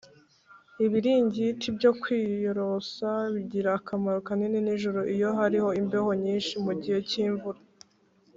ibiringiti byo kwiyorosa bigira akamaro kanini ninjoro iyo hari imbeho nyinshi mu gihe cy’imvura